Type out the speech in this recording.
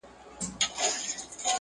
چي د جنګ پر نغارو باندي بل اور سو!